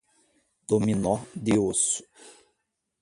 Dominó de osso